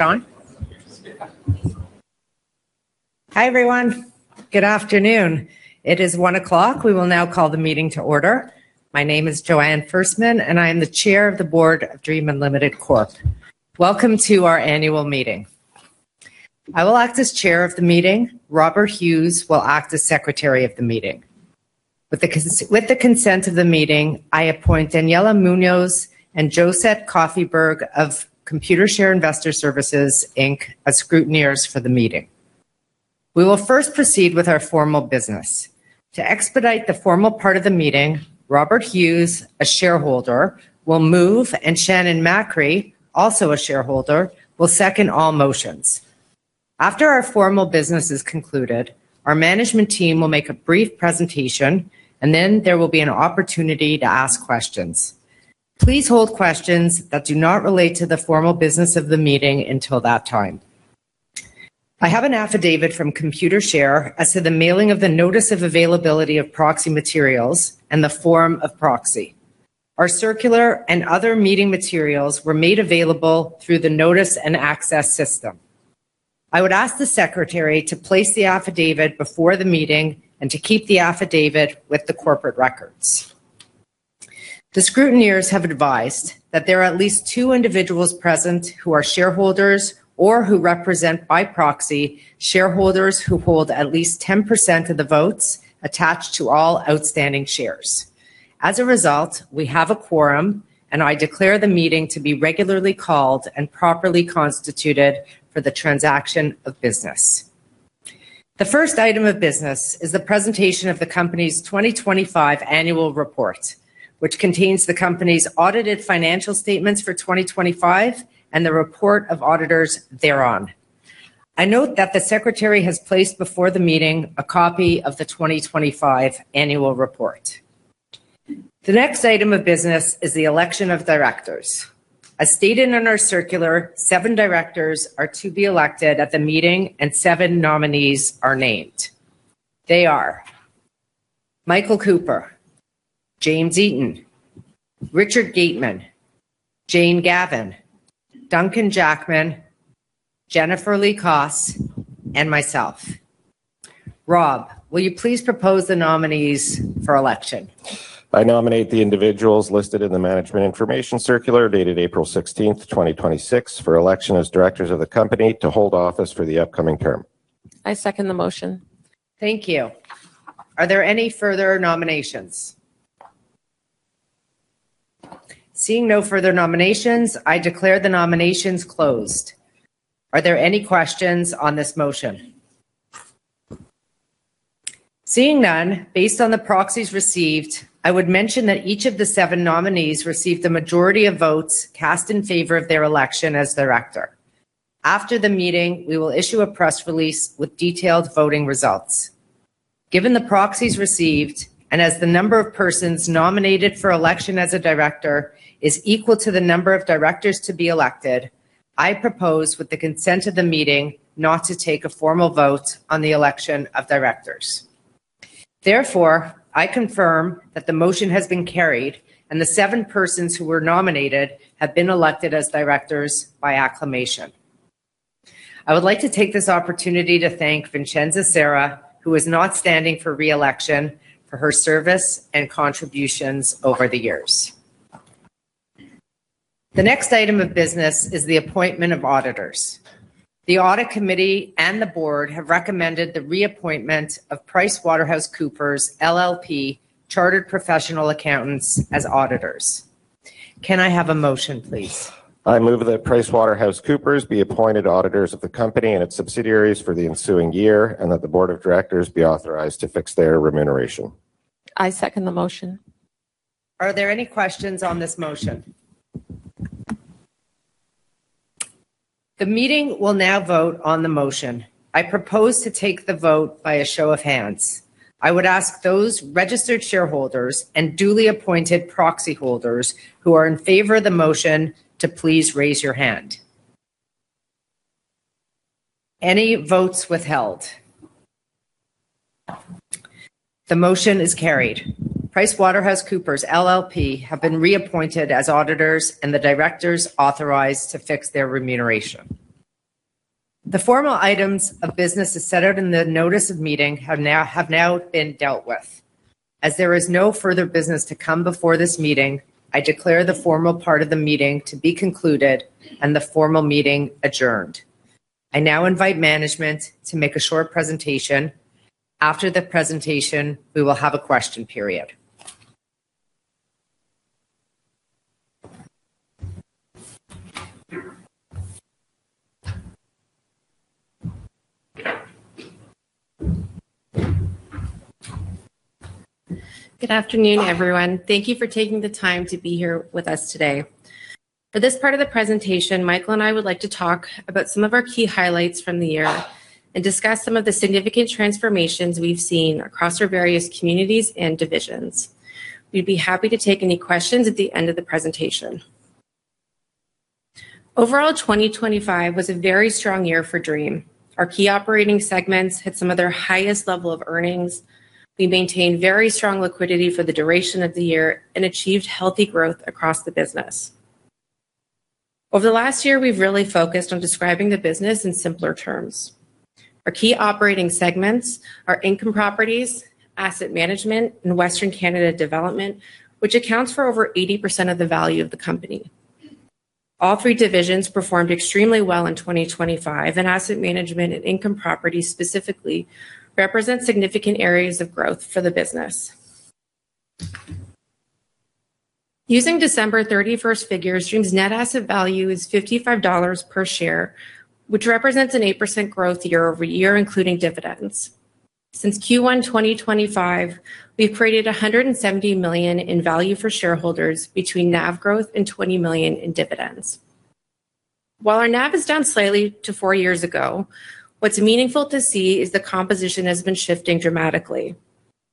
Hi, everyone. Good afternoon. It is 1:00 P.M. We will now call the meeting to order. My name is Joanne Ferstman, and I am the Chair of the Board of Dream Unlimited Corp. Welcome to our annual meeting. I will act as chair of the meeting. Robert Hughes will act as Secretary of the meeting. With the consent of the meeting, I appoint Daniela Munoz and Josette Koffyberg of Computershare Investor Services Inc. as scrutineers for the meeting. We will first proceed with our formal business. To expedite the formal part of the meeting, Robert Hughes, a shareholder, will move, and Shannon Macri, also a shareholder, will second all motions. After our formal business is concluded, our management team will make a brief presentation, and then there will be an opportunity to ask questions. Please hold questions that do not relate to the formal business of the meeting until that time. I have an affidavit from Computershare as to the mailing of the notice of availability of proxy materials and the form of proxy. Our circular and other meeting materials were made available through the notice and access system. I would ask the secretary to place the affidavit before the meeting and to keep the affidavit with the corporate records. The scrutineers have advised that there are at least two individuals present who are shareholders or who represent by proxy shareholders who hold at least 10% of the votes attached to all outstanding shares. We have a quorum, and I declare the meeting to be regularly called and properly constituted for the transaction of business. The first item of business is the presentation of the company's 2025 annual report, which contains the company's audited financial statements for 2025 and the report of auditors thereon. I note that the secretary has placed before the meeting a copy of the 2025 annual report. The next item of business is the election of directors. As stated in our circular, seven directors are to be elected at the meeting, and seven nominees are named. They are Michael Cooper, James Eaton, Richard Gateman, Jane Gavan, Duncan Jackman, Jennifer Lee Koss, and myself. Rob, will you please propose the nominees for election? I nominate the individuals listed in the management information circular dated April 16th, 2026, for election as directors of the company to hold office for the upcoming term. I second the motion. Thank you. Are there any further nominations? Seeing no further nominations, I declare the nominations closed. Are there any questions on this motion? Seeing none, based on the proxies received, I would mention that each of the seven nominees received the majority of votes cast in favor of their election as director. After the meeting, we will issue a press release with detailed voting results. Given the proxies received, and as the number of persons nominated for election as a director is equal to the number of directors to be elected, I propose with the consent of the meeting, not to take a formal vote on the election of directors. Therefore, I confirm that the motion has been carried and the seven persons who were nominated have been elected as directors by acclamation. I would like to take this opportunity to thank Vincenza Sera, who is not standing for re-election, for her service and contributions over the years. The next item of business is the appointment of auditors. The audit committee and the board have recommended the reappointment of PricewaterhouseCoopers LLP Chartered Professional Accountants as auditors. Can I have a motion, please? I move that PricewaterhouseCoopers be appointed auditors of the company and its subsidiaries for the ensuing year, and that the board of directors be authorized to fix their remuneration. I second the motion. Are there any questions on this motion? The meeting will now vote on the motion. I propose to take the vote by a show of hands. I would ask those registered shareholders and duly appointed proxy holders who are in favor of the motion to please raise your hand. Any votes withheld? The motion is carried. PricewaterhouseCoopers LLP have been reappointed as auditors and the directors authorized to fix their remuneration. The formal items of business as set out in the notice of meeting have now been dealt with. As there is no further business to come before this meeting, I declare the formal part of the meeting to be concluded and the formal meeting adjourned. I now invite management to make a short presentation. After the presentation, we will have a question period. Good afternoon, everyone. Thank you for taking the time to be here with us today. For this part of the presentation, Michael and I would like to talk about some of our key highlights from the year and discuss some of the significant transformations we've seen across our various communities and divisions. We'd be happy to take any questions at the end of the presentation. Overall, 2025 was a very strong year for Dream. Our key operating segments hit some of their highest level of earnings. We maintained very strong liquidity for the duration of the year and achieved healthy growth across the business. Over the last year, we've really focused on describing the business in simpler terms. Our key operating segments are Income Properties, Asset Management, and Western Canada Development, which accounts for over 80% of the value of the company. All three divisions performed extremely well in 2025, and asset management and income property specifically represent significant areas of growth for the business. Using December 31st figures, Dream's net asset value is 55 dollars per share, which represents an 8% growth year-over-year, including dividends. Since Q1 2025, we've created 170 million in value for shareholders between NAV growth and 20 million in dividends. While our NAV is down slightly to four years ago, what's meaningful to see is the composition has been shifting dramatically.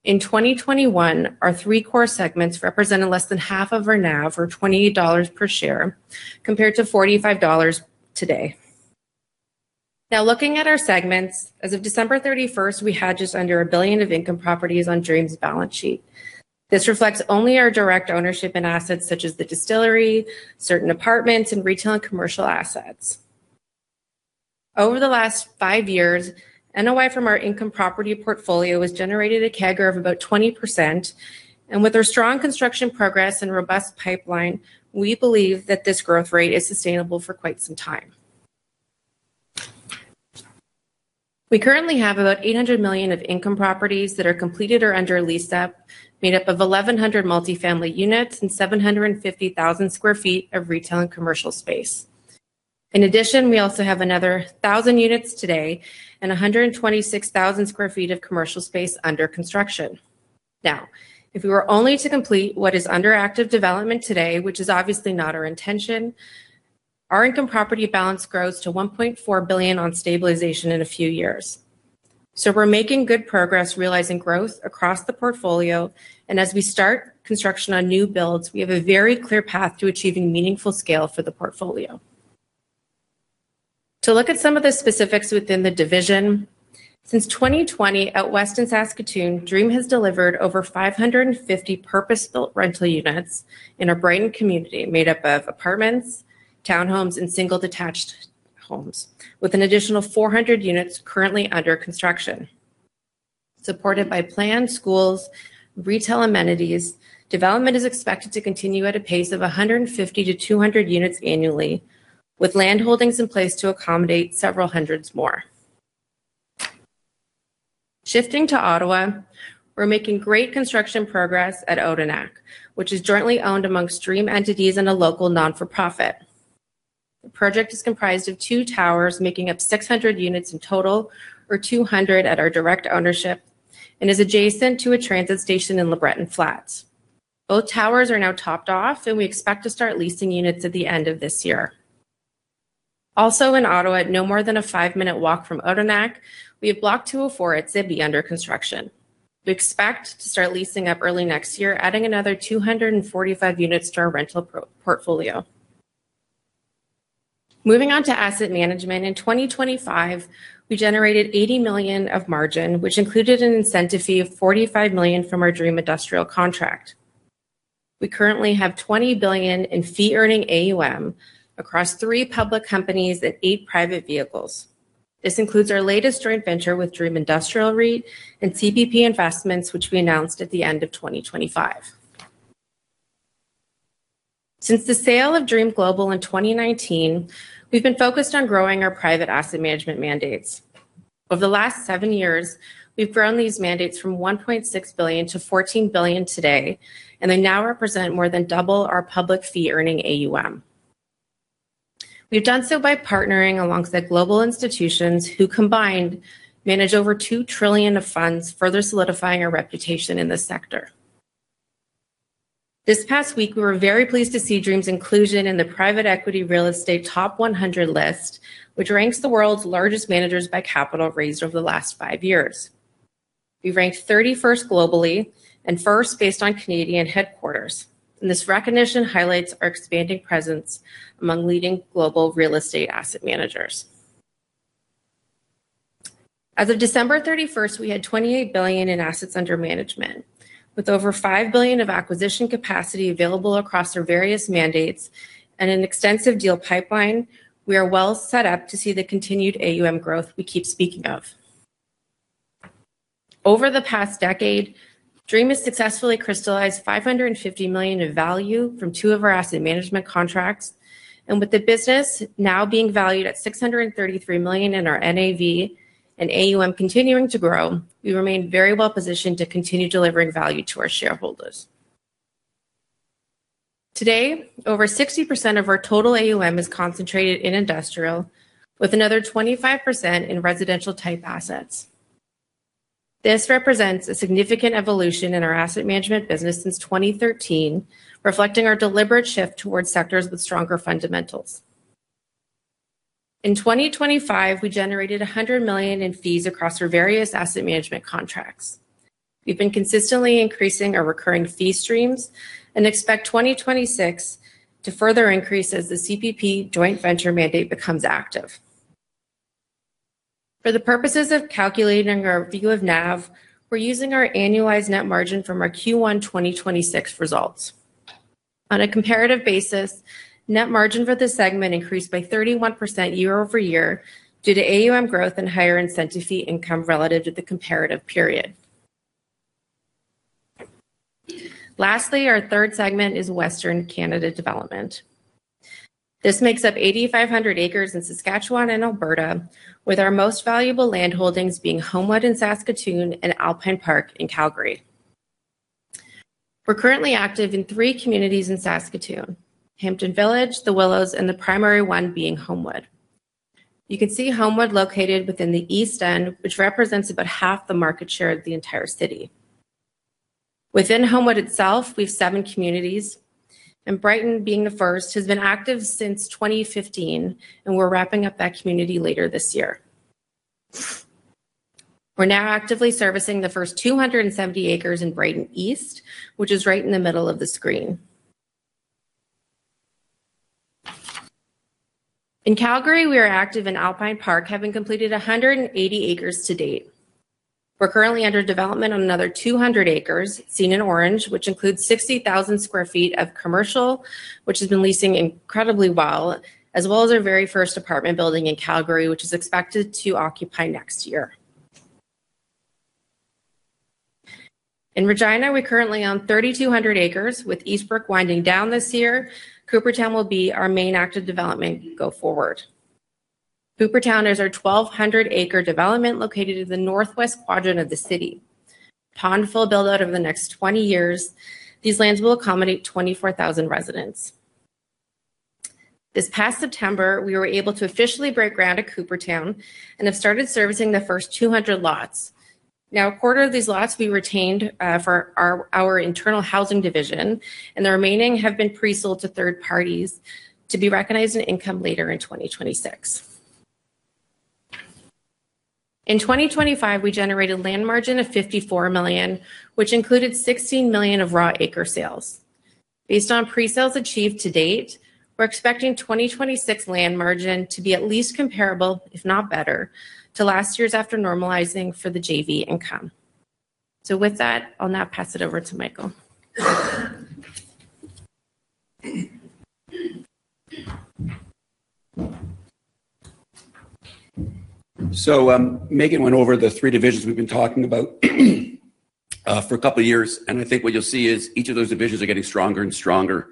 In 2021, our three core segments represented less than half of our NAV for 28 dollars per share compared to 45 dollars today. Now looking at our segments. As of December 31st, we had just under 1 billion of income properties on Dream's balance sheet. This reflects only our direct ownership in assets such as the distillery, certain apartments, and retail and commercial assets. Over the last five years, NOI from our income property portfolio has generated a CAGR of about 20%, and with our strong construction progress and robust pipeline, we believe that this growth rate is sustainable for quite some time. We currently have about 800 million of income properties that are completed or under lease up, made up of 1,100 multifamily units and 750,000 sq ft of retail and commercial space. In addition, we also have another 1,000 units today and 126,000 sq ft of commercial space under construction. Now, if we were only to complete what is under active development today, which is obviously not our intention, our income property balance grows to 1.4 billion on stabilization in a few years. We're making good progress realizing growth across the portfolio, and as we start construction on new builds, we have a very clear path to achieving meaningful scale for the portfolio. To look at some of the specifics within the division. Since 2020 at West in Saskatoon, Dream has delivered over 550 purpose-built rental units in a Brighton community made up of apartments, townhomes, and single-detached homes, with an additional 400 units currently under construction. Supported by planned schools, retail amenities, development is expected to continue at a pace of 150 to 200 units annually with land holdings in place to accommodate several hundreds more. Shifting to Ottawa, we're making great construction progress at Odenak, which is jointly owned amongst Dream entities and a local not-for-profit. The project is comprised of two towers making up 600 units in total or 200 at our direct ownership and is adjacent to a transit station in LeBreton Flats. Both towers are now topped off, and we expect to start leasing units at the end of this year. Also in Ottawa, no more than a five-minute walk from Odenak, we have Block 204 at Zibi under construction. We expect to start leasing up early next year, adding another 245 units to our rental portfolio. Moving on to asset management. In 2025, we generated 80 million of margin, which included an incentive fee of 45 million from our Dream Industrial contract. We currently have 20 billion in fee-earning AUM across three public companies and eight private vehicles. This includes our latest joint venture with Dream Industrial REIT and CPP Investments, which we announced at the end of 2025. Since the sale of Dream Global in 2019, we've been focused on growing our private asset management mandates. Over the last seven years, we've grown these mandates from 1.6 billion to 14 billion today. They now represent more than double our public fee-earning AUM. We've done so by partnering alongside global institutions who combined manage over 2 trillion of funds, further solidifying our reputation in the sector. This past week, we were very pleased to see Dream's inclusion in the Private Equity Real Estate Top 100 list, which ranks the world's largest managers by capital raised over the last five years. We ranked 31st globally and first based on Canadian headquarters. This recognition highlights our expanding presence among leading global real estate asset managers. As of December 31st, we had 28 billion in assets under management. With over 5 billion of acquisition capacity available across our various mandates and an extensive deal pipeline, we are well set up to see the continued AUM growth we keep speaking of. Over the past decade, Dream has successfully crystallized 550 million of value from two of our asset management contracts. With the business now being valued at 633 million in our NAV and AUM continuing to grow, we remain very well positioned to continue delivering value to our shareholders. Today, over 60% of our total AUM is concentrated in industrial, with another 25% in residential-type assets. This represents a significant evolution in our asset management business since 2013, reflecting our deliberate shift towards sectors with stronger fundamentals. In 2025, we generated 100 million in fees across our various asset management contracts. We've been consistently increasing our recurring fee streams and expect 2026 to further increase as the CPP joint venture mandate becomes active. For the purposes of calculating our view of NAV, we're using our annualized net margin from our Q1 2026 results. On a comparative basis, net margin for the segment increased by 31% year-over-year due to AUM growth and higher incentive fee income relative to the comparative period. Lastly, our third segment is Western Canada Development. This makes up 8,500 acres in Saskatchewan and Alberta, with our most valuable land holdings being Holmwood in Saskatoon and Alpine Park in Calgary. We're currently active in three communities in Saskatoon, Hampton Village, The Willows, and the primary one being Holmwood. You can see Holmwood located within the East End, which represents about half the market share of the entire city. Within Holmwood itself, we have seven communities, and Brighton being the first, has been active since 2015, and we're wrapping up that community later this year. We're now actively servicing the first 270 acres in Brighton East, which is right in the middle of the screen. In Calgary, we are active in Alpine Park, having completed 180 acres to date. We're currently under development on another 200 acres, seen in orange, which includes 60,000 sq ft of commercial, which has been leasing incredibly well, as well as our very first apartment building in Calgary, which is expected to occupy next year. In Regina, we currently own 3,200 acres. With Eastbrook winding down this year, Coopertown will be our main active development go forward. Coopertown is our 1,200-acre development located in the northwest quadrant of the city. Upon full build-out over the next 20 years, these lands will accommodate 24,000 residents. This past September, we were able to officially break ground at Coopertown and have started servicing the first 200 lots. A quarter of these lots will be retained for our internal housing division, and the remaining have been pre-sold to third parties to be recognized in income later in 2026. In 2025, we generated land margin of 54 million, which included 16 million of raw acre sales. Based on pre-sales achieved to date, we're expecting 2026 land margin to be at least comparable, if not better, to last year's after normalizing for the JV income. With that, I'll now pass it over to Michael. Meaghan went over the three divisions we've been talking about for a couple of years, and I think what you'll see is each of those divisions are getting stronger and stronger.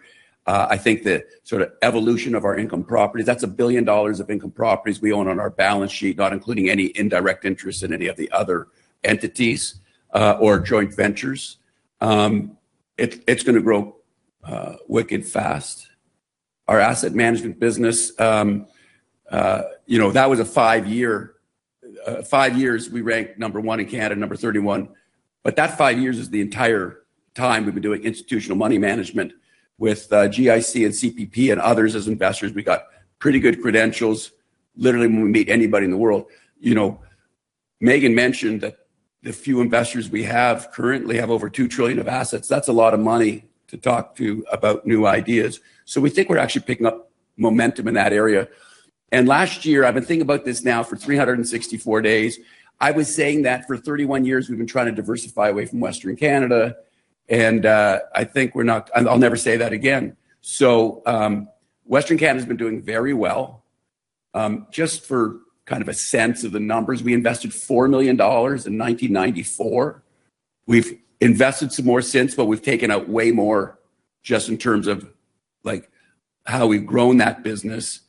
I think the sort of evolution of our income properties, that's 1 billion dollars of income properties we own on our balance sheet, not including any indirect interest in any of the other entities or joint ventures. It's going to grow wicked fast. Our asset management business, that was five years we ranked number one in Canada, number 31. That five years is the entire time we've been doing institutional money management with GIC and CPP and others as investors. We got pretty good credentials, literally when we meet anybody in the world. Meaghan mentioned that the few investors we have currently have over 2 trillion of assets. That's a lot of money to talk to about new ideas. We think we're actually picking up momentum in that area. Last year, I've been thinking about this now for 364 days. I was saying that for 31 years, we've been trying to diversify away from Western Canada, and I'll never say that again. Western Canada has been doing very well. Just for kind of a sense of the numbers, we invested 4 million dollars in 1994. We've invested some more since, but we've taken out way more just in terms of how we've grown that business.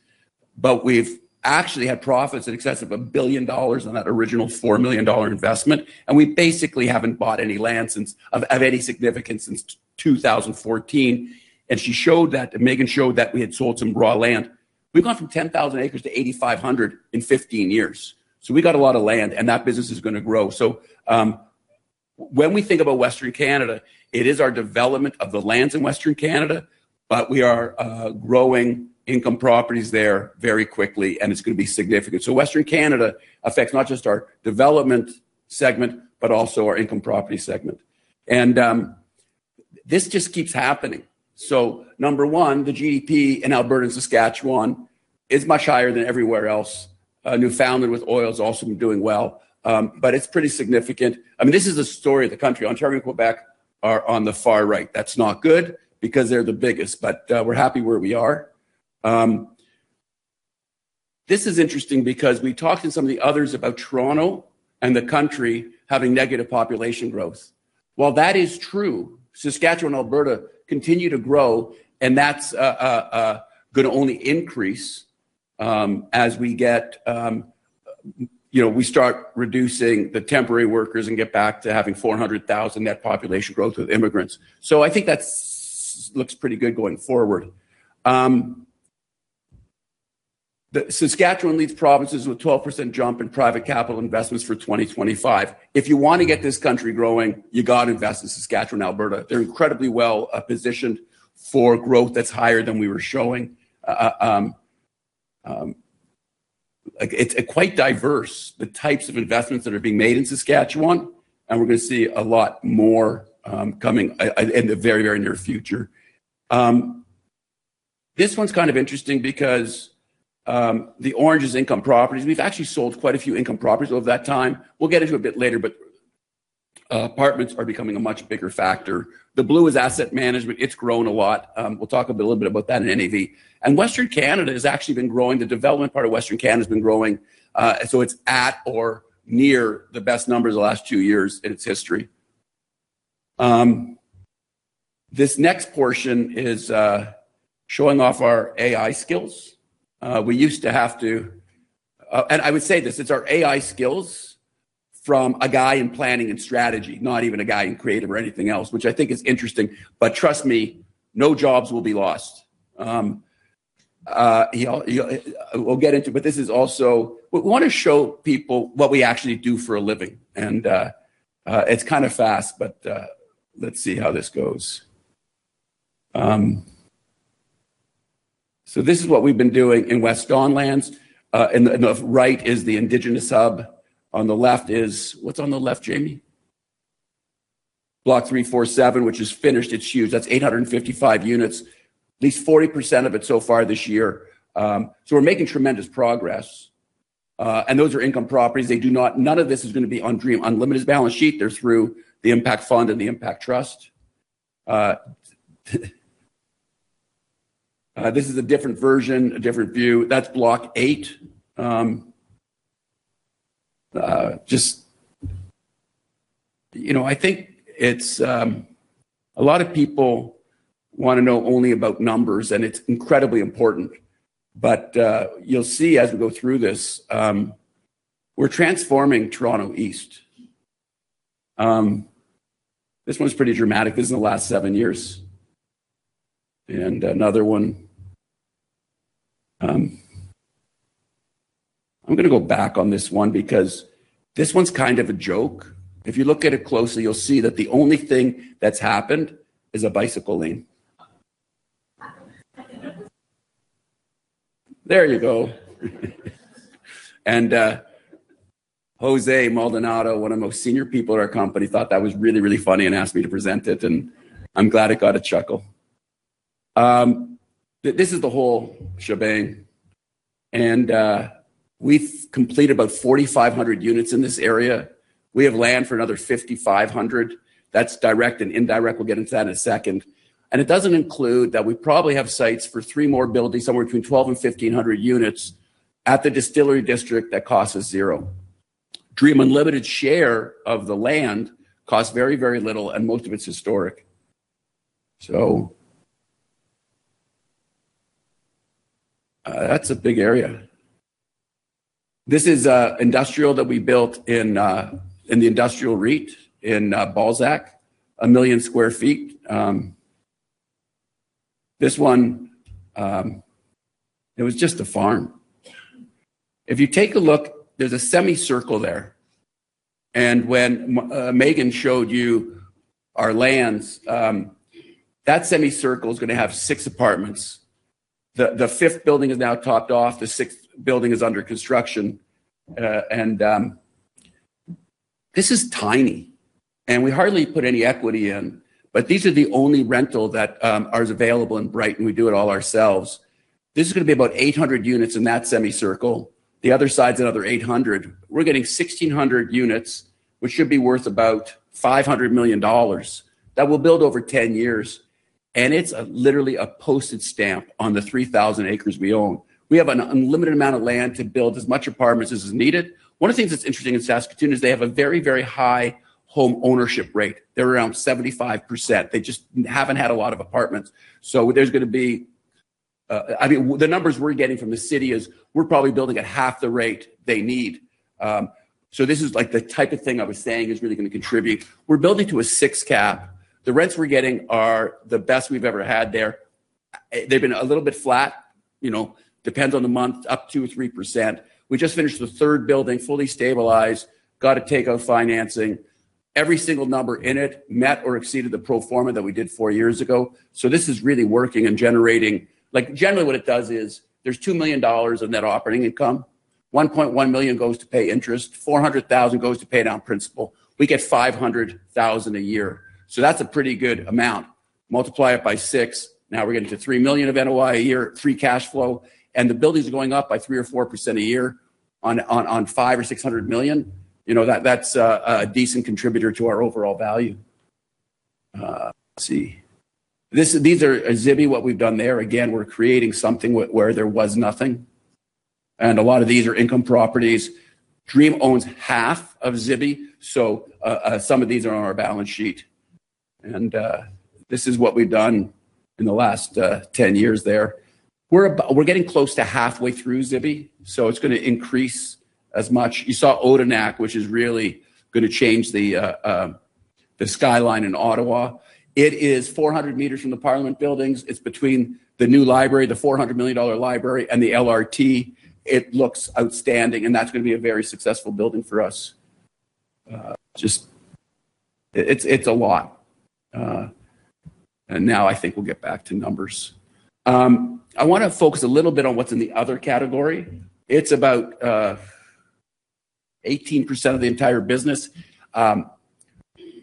We've actually had profits in excess of 1 billion dollars on that original 4 million dollar investment, and we basically haven't bought any land of any significance since 2014, and Meaghan showed that we had sold some raw land. We've gone from 10,000 acres to 8,500 in 15 years. We got a lot of land, and that business is going to grow. When we think about Western Canada, it is our development of the lands in Western Canada, but we are growing income properties there very quickly, and it's going to be significant. Western Canada affects not just our development segment, but also our income property segment. This just keeps happening. Number one, the GDP in Alberta and Saskatchewan is much higher than everywhere else. Newfoundland with oil is also doing well, but it's pretty significant. This is the story of the country. Ontario and Quebec are on the far right. That's not good because they're the biggest, but we're happy where we are. This is interesting because we talked to some of the others about Toronto and the country having negative population growth. While that is true, Saskatchewan, Alberta continue to grow, and that's going to only increase as we start reducing the temporary workers and get back to having 400,000 net population growth with immigrants. I think that looks pretty good going forward. Saskatchewan leads provinces with a 12% jump in private capital investments for 2025. If you want to get this country growing, you got to invest in Saskatchewan, Alberta. They're incredibly well positioned for growth that's higher than we were showing. It's quite diverse, the types of investments that are being made in Saskatchewan, and we're going to see a lot more coming in the very near future. This one's kind of interesting because the orange is income properties. We've actually sold quite a few income properties over that time. We'll get into a bit later, apartments are becoming a much bigger factor. The blue is asset management. It's grown a lot. We'll talk a little bit about that in NAV. Western Canada has actually been growing. The development part of Western Canada has been growing. It's at or near the best numbers the last two years in its history. This next portion is showing off our AI skills. I would say this, it's our AI skills from a guy in planning and strategy, not even a guy in creative or anything else, which I think is interesting. Trust me, no jobs will be lost. We'll get into it. We want to show people what we actually do for a living, it's kind of fast, let's see how this goes. This is what we've been doing in West Don Lands. In the right is the Indigenous Hub. What's on the left, Jamie? Block 347, which is finished. It's huge. That's 855 units. At least 40% of it so far this year. We're making tremendous progress. Those are income properties. None of this is going to be on Dream Unlimited's balance sheet. They're through the Impact Fund and the Impact Trust. This is a different version, a different view. That's Block eight. I think a lot of people want to know only about numbers, and it's incredibly important, but you'll see as we go through this, we're transforming Toronto East. This one's pretty dramatic. This is the last seven years. Another one. I'm going to go back on this one because this one's kind of a joke. If you look at it closely, you'll see that the only thing that's happened is a bicycle lane. There you go. Jose Maldonado, one of the most senior people at our company, thought that was really funny and asked me to present it, and I'm glad it got a chuckle. This is the whole shebang. We've completed about 4,500 units in this area. We have land for another 5,500. That's direct and indirect. We'll get into that in a second. It doesn't include that we probably have sites for three more buildings, somewhere between 12 and 1,500 units, at the Distillery District that cost us zero. Dream Unlimited's share of the land cost very little, and most of it's historic. That's a big area. This is industrial that we built in the industrial REIT in Balzac, 1 million square feet. This one, it was just a farm. If you take a look, there's a semicircle there, and when Meaghan showed you our lands, that semicircle is going to have six apartments. The fifth building is now topped off. The sixth building is under construction. This is tiny, and we hardly put any equity in, but these are the only rental that are available in Brighton. We do it all ourselves. This is going to be about 800 units in that semicircle. The other side's another 800. We're getting 1,600 units, which should be worth about 500 million dollars that we'll build over 10 years, and it's literally a postage stamp on the 3,000 acres we own. We have an unlimited amount of land to build as much apartments as is needed. One of the things that's interesting in Saskatoon is they have a very high home ownership rate. They're around 75%. They just haven't had a lot of apartments. The numbers we're getting from the city is we're probably building at half the rate they need. This is the type of thing I was saying is really going to contribute. We're building to a sixcap. The rents we're getting are the best we've ever had there. They've been a little bit flat. Depends on the month, up two, 3%. We just finished the third building, fully stabilized, got to take on financing. Every single number in it met or exceeded the pro forma that we did four years ago. This is really working and generating. Generally, what it does is there's 2 million dollars of net operating income. 1.1 million goes to pay interest. 400,000 goes to pay down principal. We get 500,000 a year. That's a pretty good amount. Multiply it by six. We're getting to 3 million of NOI a year, free cash flow, and the buildings are going up by 3%-4% a year on 500 million-600 million. That's a decent contributor to our overall value. Let's see. These are Zibi, what we've done there. We're creating something where there was nothing. A lot of these are income properties. Dream owns half of Zibi, so some of these are on our balance sheet. This is what we've done in the last 10 years there. We're getting close to halfway through Zibi, so it's going to increase as much. You saw Odenak, which is really going to change the skyline in Ottawa. It is 400 m from the parliament buildings. It's between the new library, the 400 million dollar library, and the LRT. It looks outstanding, and that's going to be a very successful building for us. It's a lot. Now I think we'll get back to numbers. I want to focus a little bit on what's in the other category. It's about 18% of the entire business. We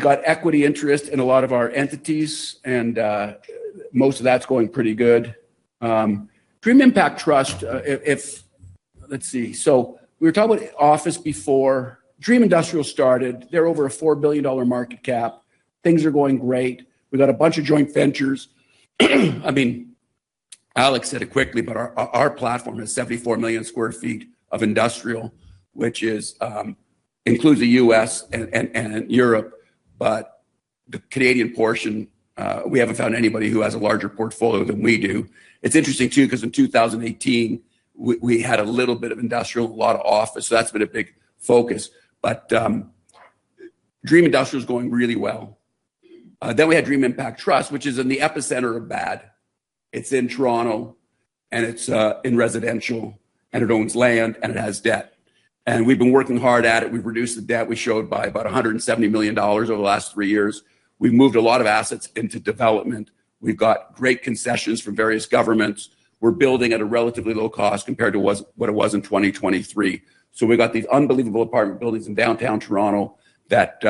got equity interest in a lot of our entities, and most of that's going pretty good. Dream Impact Trust. Let's see. We were talking about office before Dream Industrial started. They're over a 4 billion dollar market cap. Things are going great. We got a bunch of joint ventures. Alex said it quickly, but our platform has 74 million square feet of industrial, which includes the U.S. and Europe, but the Canadian portion, we haven't found anybody who has a larger portfolio than we do. It's interesting too, because in 2018, we had a little bit of industrial, a lot of office. That's been a big focus. Dream Industrial is going really well. We had Dream Impact Trust, which is in the epicenter of bad. It's in Toronto and it's in residential, and it owns land and it has debt. We've been working hard at it. We've reduced the debt we showed by about 170 million dollars over the last three years. We've moved a lot of assets into development. We've got great concessions from various governments. We're building at a relatively low cost compared to what it was in 2023. We got these unbelievable apartment buildings in downtown Toronto that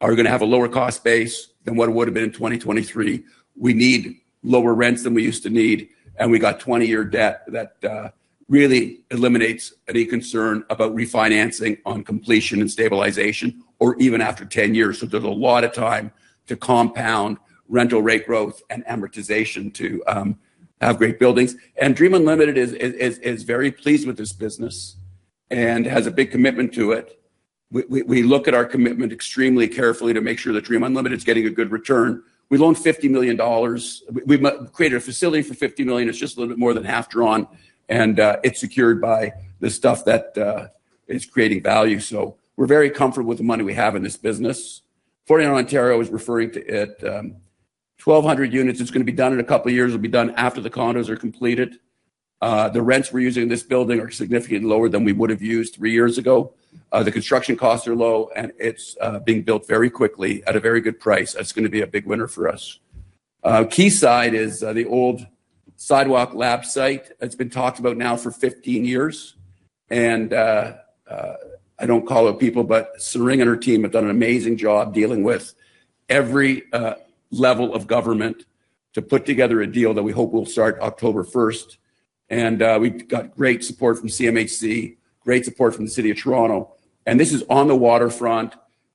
are going to have a lower cost base than what it would've been in 2023. We need lower rents than we used to need, and we got 20-year debt that really eliminates any concern about refinancing on completion and stabilization or even after 10 years. There's a lot of time to compound rental rate growth and amortization to have great buildings. Dream Unlimited is very pleased with this business and has a big commitment to it. We look at our commitment extremely carefully to make sure that Dream Unlimited's getting a good return. We loaned 50 million dollars. We've created a facility for 50 million. It's just a little bit more than half drawn, and it's secured by the stuff that is creating value. We're very comfortable with the money we have in this business. 41 Ontario is referring to it. 1,200 units, it's going to be done in a couple of years. It'll be done after the condos are completed. The rents we're using in this building are significantly lower than we would've used three years ago. The construction costs are low, and it's being built very quickly at a very good price. That's going to be a big winner for us. Quayside is the old Sidewalk Labs site that's been talked about now for 15 years. I don't call out people, but Tsering and her team have done an amazing job dealing with every level of government to put together a deal that we hope will start October 1st. We've got great support from CMHC, great support from the City of Toronto. This is on the waterfront.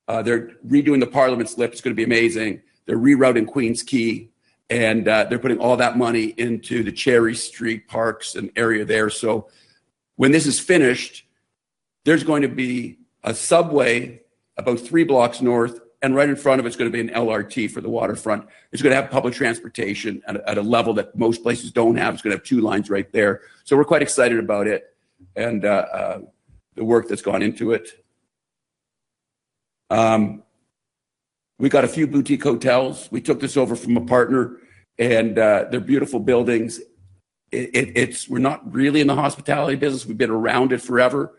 They're redoing the Parliament Slip. It's going to be amazing. They're rerouting Queens Quay, and they're putting all that money into the Cherry Street parks and area there. When this is finished, there's going to be a subway about three blocks north, and right in front of it is going to be an LRT for the waterfront. It's going to have public transportation at a level that most places don't have. It's going to have two lines right there. We're quite excited about it and the work that's gone into it. We got a few boutique hotels. We took this over from a partner, and they're beautiful buildings. We're not really in the hospitality business. We've been around it forever.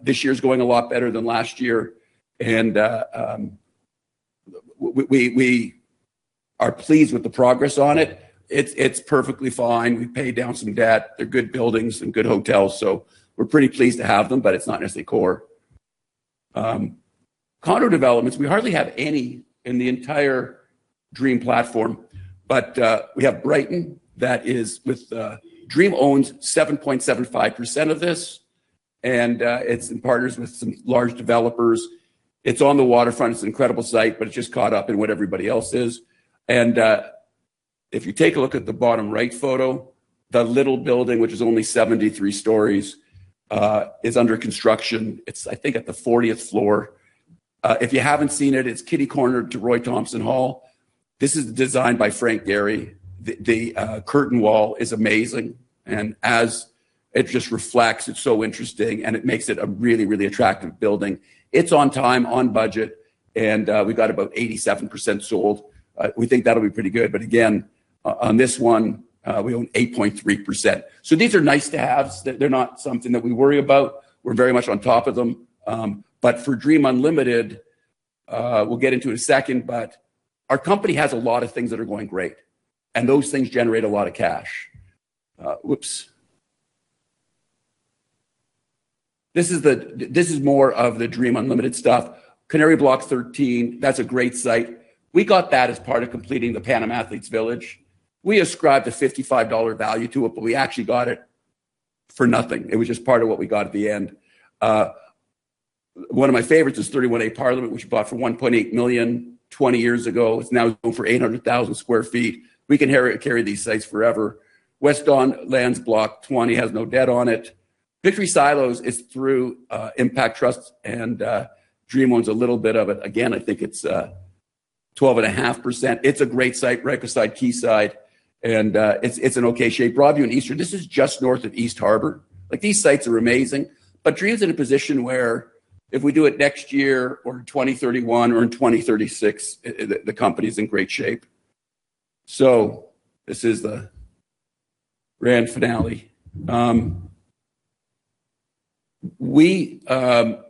This year's going a lot better than last year, and we are pleased with the progress on it. It's perfectly fine. We paid down some debt. They're good buildings and good hotels, so we're pretty pleased to have them, but it's not necessarily core. Condo developments, we hardly have any in the entire Dream platform. We have Brighton, Dream owns 7.75% of this, and it's in partners with some large developers. It's on the waterfront. It's an incredible site, but it's just caught up in what everybody else is. If you take a look at the bottom-right photo, the little building, which is only 73 stories, is under construction. It's I think at the 40th floor. If you haven't seen it's kitty-corner to Roy Thomson Hall. This is designed by Frank Gehry. The curtain wall is amazing. As it just reflects, it's so interesting, and it makes it a really, really attractive building. It's on time, on budget, and we've got about 87% sold. We think that'll be pretty good. Again, on this one, we own 8.3%. These are nice to haves. They're not something that we worry about. We're very much on top of them. For Dream Unlimited, we'll get into in a second, but our company has a lot of things that are going great, and those things generate a lot of cash. Whoops. This is more of the Dream Unlimited stuff. Canary Block 13, that's a great site. We got that as part of completing the Pan Am Athletes' Village. We ascribed a 55 dollar value to it, but we actually got it for nothing. It was just part of what we got at the end. One of my favorites is 31A Parliament, which we bought for 1.8 million 20 years ago. It's now over 800,000 sq ft. We can carry these sites forever. West Don Lands Block 20 has no debt on it. Victory Silos is through Impact Trust, and Dream owns a little bit of it. Again, I think it's 12.5%. It's a great site, right beside Quayside, and it's in okay shape. Broadview and Eastern, this is just north of East Harbor. These sites are amazing. Dream's in a position where if we do it next year or in 2031 or in 2036, the company's in great shape. This is the Grand finale. We are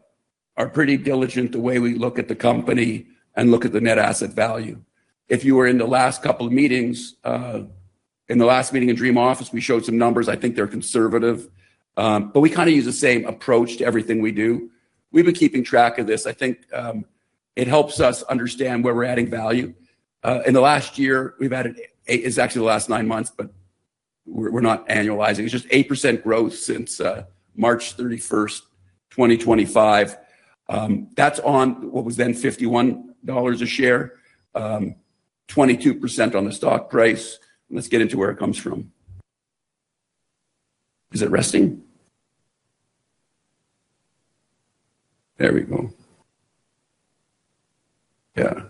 pretty diligent the way we look at the company and look at the net asset value. If you were in the last couple of meetings, in the last meeting in Dream Office, we showed some numbers. I think they're conservative. We kind of use the same approach to everything we do. We've been keeping track of this. I think it helps us understand where we're adding value. In the last year, we've added. It's actually the last nine months, but we're not annualizing. It's just 8% growth since March 31st, 2025. That's on what was then 51 dollars a share, 22% on the stock price. Let's get into where it comes from. Is it resting? There we go. Yeah.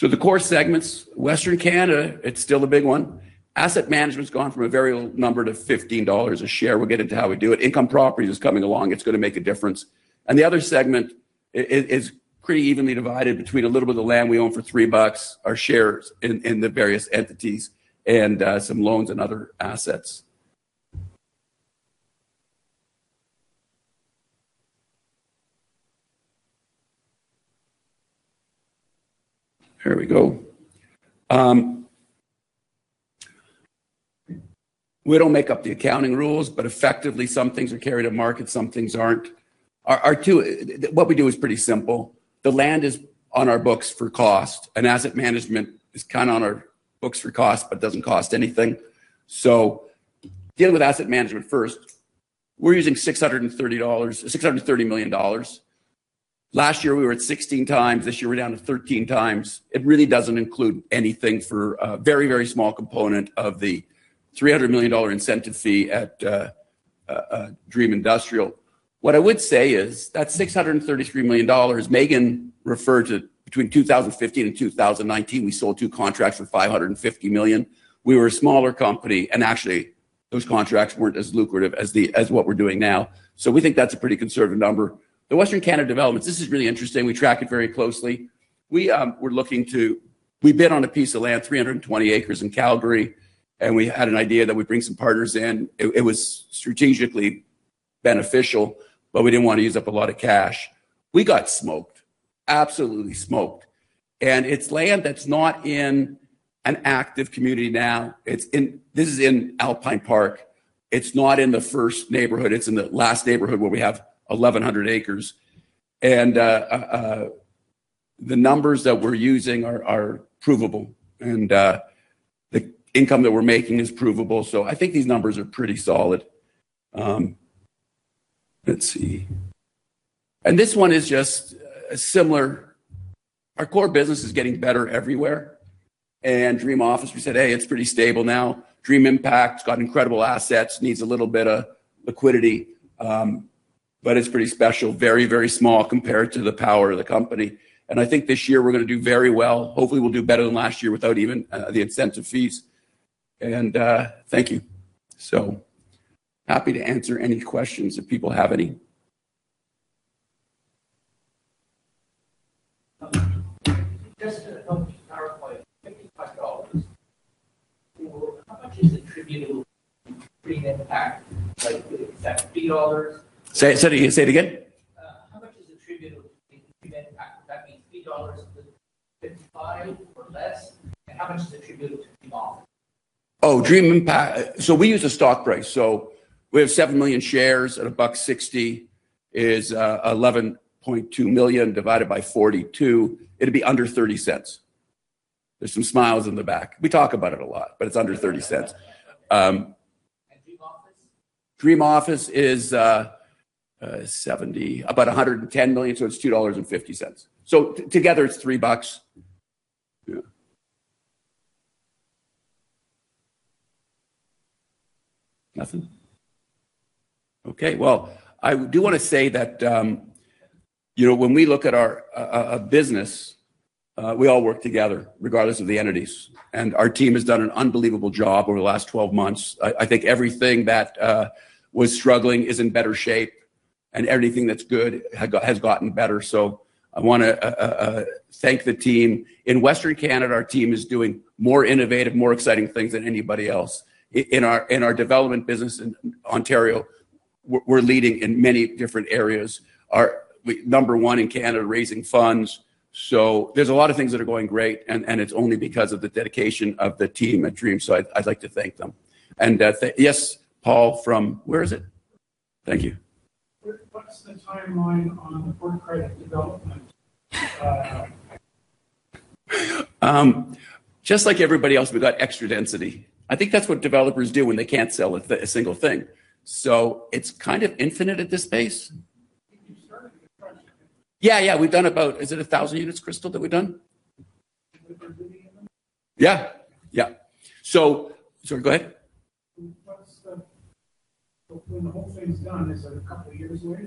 The core segments, Western Canada, it's still a big one. Asset management's gone from a very low number to 15 dollars a share. We'll get into how we do it. Income Properties is coming along. It's going to make a difference. The other segment is pretty evenly divided between a little bit of land we own for 3 bucks, our shares in the various entities, and some loans and other assets. Here we go. We don't make up the accounting rules, but effectively, some things are carried at market, some things aren't. What we do is pretty simple. The land is on our books for cost, and asset management is kind of on our books for cost, but doesn't cost anything. Dealing with asset management first, we're using 630 million dollars. Last year, we were at 16 times. This year, we're down to 13x. It really doesn't include anything for a very, very small component of the 300 million dollar incentive fee at Dream Industrial. What I would say is that 633 million dollars, Meaghan referred to between 2015 and 2019, we sold two contracts for 550 million. We were a smaller company, actually, those contracts weren't as lucrative as what we're doing now. We think that's a pretty conservative number. The Western Canada developments, this is really interesting. We track it very closely. We bid on a piece of land, 320 acres in Calgary, and we had an idea that we'd bring some partners in. It was strategically beneficial, we didn't want to use up a lot of cash. We got smoked. Absolutely smoked. It's land that's not in an active community now. This is in Alpine Park. It's not in the first neighborhood. It's in the last neighborhood, where we have 1,100 acres. The numbers that we're using are provable, and the income that we're making is provable. I think these numbers are pretty solid. Let's see. This one is just similar. Our core business is getting better everywhere. Dream Office, we said, "Hey, it's pretty stable now." Dream Impact's got incredible assets, needs a little bit of liquidity, but it's pretty special. Very, very small compared to the power of the company. I think this year we're going to do very well. Hopefully, we'll do better than last year without even the incentive fees. Thank you. Happy to answer any questions if people have any. Just to help clarify CAD 55. How much is attributable to Dream Impact? Like is that CAD 3? Say it again. How much is attributable to Dream Impact? Would that mean CAD 3.55 or less? How much is attributable to Dream Office? Dream Impact. We use a stock price. We have 7 million shares at 1.60 is 11.2 million divided by 42. It'll be under 0.30. There's some smiles in the back. We talk about it a lot, but it's under 0.30. Dream Office? Dream Office is 70. About 110 million, it's 2.50 dollars. Together it's 3 bucks. Yeah. Nothing? Okay, well, I do want to say that when we look at our business, we all work together, regardless of the entities. Our team has done an unbelievable job over the last 12 months. I think everything that was struggling is in better shape, and everything that's good has gotten better. I want to thank the team. In Western Canada, our team is doing more innovative, more exciting things than anybody else. In our development business in Ontario, we're leading in many different areas. Number one in Canada, raising funds. There's a lot of things that are going great, and it's only because of the dedication of the team at Dream. I'd like to thank them. Yes, Paul from. Where is it? Thank you. What's the timeline on the Port Credit development? Just like everybody else, we've got extra density. I think that's what developers do when they can't sell a single thing. It's kind of infinite at this pace. You've started the process. Yeah. We've done about, is it 1,000 units, Crystal, that we've done? That we're doing. Yeah. Go ahead. When the whole thing's done, is it a couple of years away?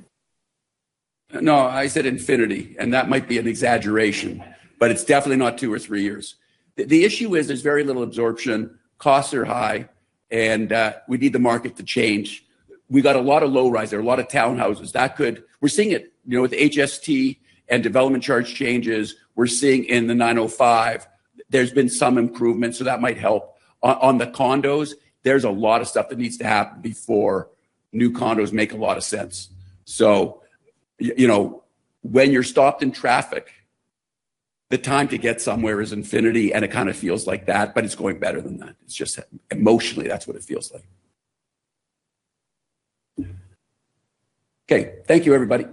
No, I said infinity, and that might be an exaggeration. It's definitely not two or three years. The issue is there's very little absorption. Costs are high, and we need the market to change. We got a lot of low rise there, a lot of townhouses. We're seeing it with HST and development charge changes, we're seeing in the 905 there's been some improvement, so that might help. On the condos, there's a lot of stuff that needs to happen before new condos make a lot of sense. When you're stopped in traffic, the time to get somewhere is infinity, and it kind of feels like that, but it's going better than that. It's just emotionally, that's what it feels like. Okay. Thank you, everybody.